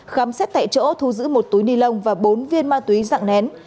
khám xét tại chỗ thu giữ một túi ni lông và bốn viên ma túy dạng nén